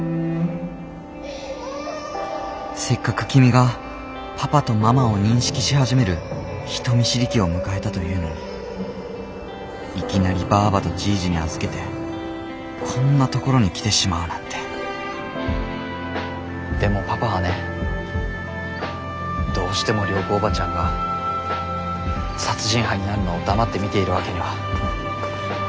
せっかく君がパパとママを認識し始める人見知り期を迎えたというのにいきなりばぁばとじぃじに預けてこんなところに来てしまうなんてでもパパはねどうしても涼子伯母ちゃんが殺人犯になるのを黙って見ているわけには。